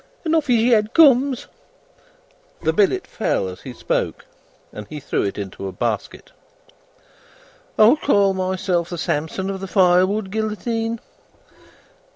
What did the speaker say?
And off his head comes!" The billet fell as he spoke, and he threw it into a basket. "I call myself the Samson of the firewood guillotine.